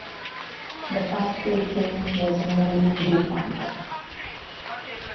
The fast-food chain was nearly defunct.